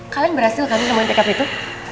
kalian berhasil kali nyemuin pkp itu